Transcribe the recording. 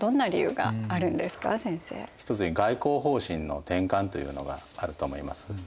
一つに外交方針の転換というのがあると思います。